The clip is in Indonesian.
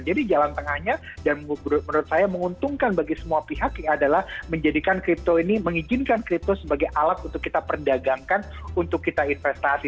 jadi jalan tengahnya dan menurut saya menguntungkan bagi semua pihak adalah menjadikan kripto ini mengizinkan kripto sebagai alat untuk kita perdagangkan untuk kita investasi